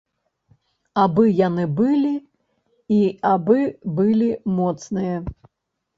Абы яны былі і абы былі моцныя.